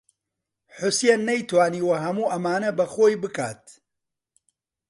حوسێن نەیتوانیوە هەموو ئەمانە بە خۆی بکات.